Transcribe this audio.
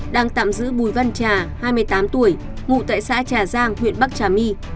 đang tạm giữ bùi văn trà hai mươi tám tuổi ngụ tại xã trà giang huyện bắc trà my